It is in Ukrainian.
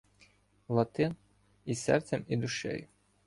Латин, і серцем, і душею